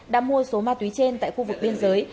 đã mua số ma túy trên tại khu vực biên giới